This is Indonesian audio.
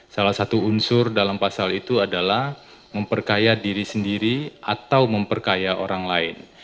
salah satu unsur dalam pasal itu adalah memperkaya diri sendiri atau memperkaya orang lain